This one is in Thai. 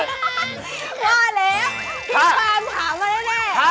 คือคำถามมาแล้วหน้า